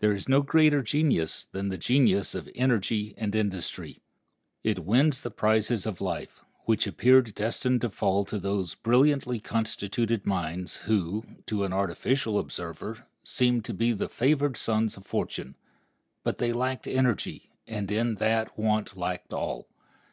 There is no greater genius than the genius of energy and industry, It wins the prizes of life, which appeared destined to fall to those brilliantly constituted minds, who, to an artificial observer, seemed to be the favored sons of fortune. But they lacked energy, and in that want lacked all.